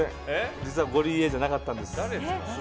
実はゴリエじゃなかったんです。